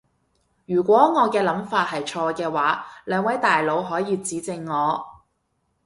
如果我嘅諗法係錯嘅話，兩位大佬可以指正我